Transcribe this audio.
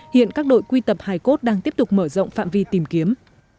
hiện các đội quy tập hải cốt đang tiếp tục mở rộng phạm vi tìm kiếm